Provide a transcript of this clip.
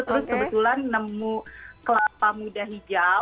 terus kebetulan nemu kelapa muda hijau